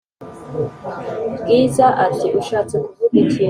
Bwiza ati"ushatse kuvuga iki?"